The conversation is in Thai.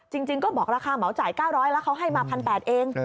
จริงก็บอกราคาเหมาจ่าย๙๐๐แล้วเขาให้มา๑๘๐๐เอง